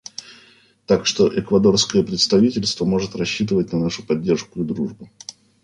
Так что эквадорское председательство может рассчитывать на нашу поддержку и дружбу.